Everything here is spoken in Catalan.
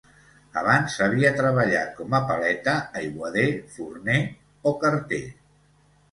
Abans havia treballat com a paleta, aiguader, forner o carter.